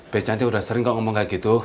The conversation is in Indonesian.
becanti udah sering kok ngomong kayak gitu